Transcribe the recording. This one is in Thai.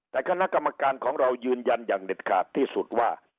แต่คณะกรรมการของเรายืนยันอย่างเด็ดขาดที่สุดว่า